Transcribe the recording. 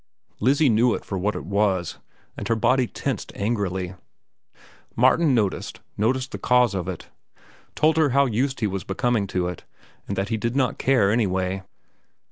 Lizzie knew it for what it was, and her body tensed angrily. Martin noticed, noticed the cause of it, told her how used he was becoming to it and that he did not care anyway.